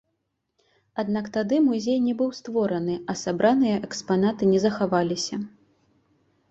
Аднак тады музей не быў створаны, а сабраныя экспанаты не захаваліся.